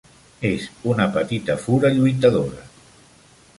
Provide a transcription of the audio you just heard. És una petita fura lluitadora.